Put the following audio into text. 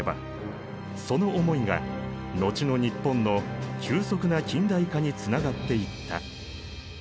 その思いが後の日本の急速な近代化につながっていった。